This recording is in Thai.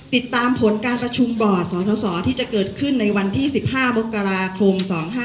ติดตามผลการประชุมบอร์ดสสที่จะเกิดขึ้นในวันที่๑๕มกราคม๒๕๕๙